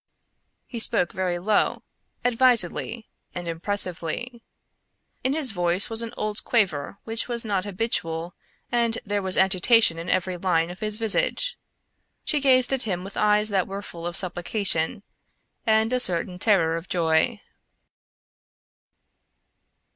He spoke very low, advisedly, and impressively. In his voice was an old quaver which was not habitual and there was agitation in every line of his visage. She gazed at him with eyes that were full of supplication and a certain terror of joy.